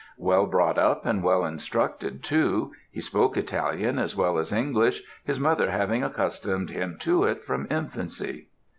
Well brought up and well instructed too; he spoke Italian as well as English, his mother having accustomed him to it from infancy.